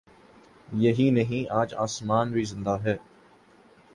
یہی نہیں، آج سماج بھی زندہ ہے۔